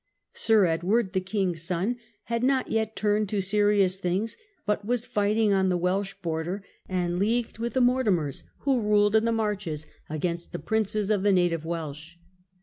Sir Edward, the king's son, had not yet turned to serious things, but was fighting on the Welsh border, Yjjg and leagued with the Mortimers, who ruled in foreisnera in the Marches, against the princes of the native England. Welsh.